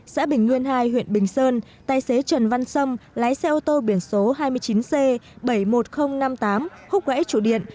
xã bình nguyên hai huyện bình sơn tài xế trần văn sâm lái xe ô tô biển số hai mươi chín c bảy mươi một nghìn năm mươi tám húc gãy trụ điện